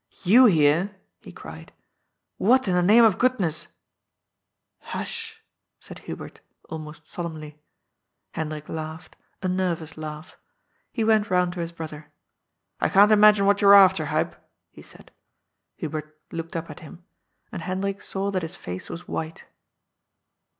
" You here I " he cried. " What in the name of good ness " ^^Hush/' said Hubert — almost solemnly. Hendrik laughed — a nervous laugh. He went round to his brother. ^' I can't imagine what you are after, Huib,'' he said. Hubert looked up at him, and Hendrik saw that his face was white.